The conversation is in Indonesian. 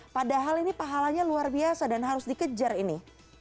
padahal ini pahalanya luar biasa dan harus dikejar ini